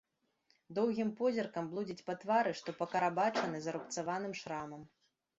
Доўгім позіркам блудзіць па твары, што пакарабачаны зарубцаваным шрамам.